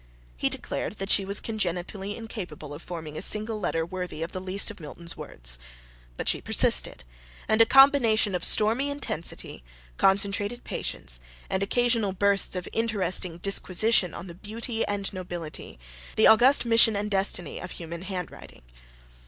He declared that she was congenitally incapable of forming a single letter worthy of the least of Milton's words; but she persisted; and again he suddenly threw himself into the task of teaching her with a combination of stormy intensity, concentrated patience, and occasional bursts of interesting disquisition on the beauty and nobility, the august mission and destiny, of human handwriting.